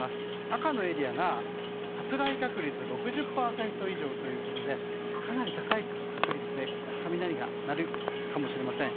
赤のエリアが発雷確率６０％以上ということでかなり高い確率で雷が鳴るかもしれません。